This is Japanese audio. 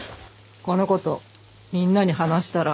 この事みんなに話したら。